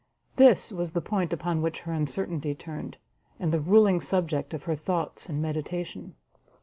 this was the point upon which her uncertainty turned, and the ruling subject of her thoughts and meditation.